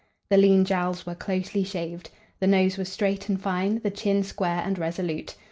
The lean jowls were closely shaved. The nose was straight and fine, the chin square and resolute.